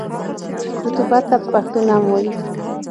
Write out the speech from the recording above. رطوبت ته په پښتو نم وايي.